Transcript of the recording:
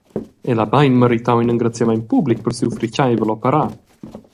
El ha bein meritau in engraziament public per siu fritgeivel operar.